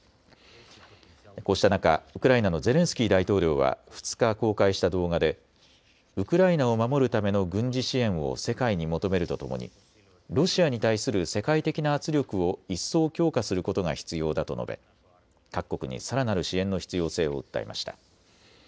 こうした中、ウクライナのゼレンスキー大統領は２日、公開した動画でウクライナを守るための軍事支援を世界に求めるとともにロシアに対する世界的な圧力を一層強化することが必要だと述べ各国にさらなる支援の必要性を訴えました。